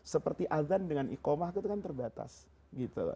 seperti azan dengan ikomah itu kan terbatas gitu loh